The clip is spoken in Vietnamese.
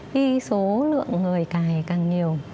khi số lượng người cài càng nhiều